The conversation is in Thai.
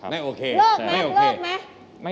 ไม่โอเคไม่โอเคใช่ครับไม่โอเคไม่โอเคเลิกไหมเลิกไหม